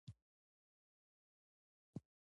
هغوی د سپوږمیز څپو لاندې د مینې ژورې خبرې وکړې.